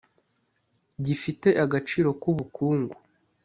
gifite agaciro k ubukungu